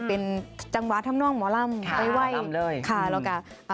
เป็นจังหวะทำน้องหมอล่ำไวค่ะแล้วกับ